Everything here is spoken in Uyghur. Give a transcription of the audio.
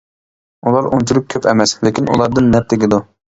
ئۇلار ئۇنچىلىك كۆپ ئەمەس، لېكىن ئۇلاردىن نەپ تېگىدۇ.